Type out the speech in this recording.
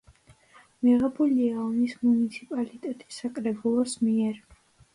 მიღებულია ონის მუნიციპალიტეტის საკრებულოს მიერ.